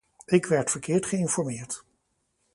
Ik werd verkeerd geïnformeerd.